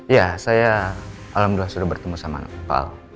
ya saya alhamdulillah sudah bertemu sama pak aldi baran